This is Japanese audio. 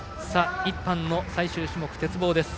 １班の最終種目、鉄棒です。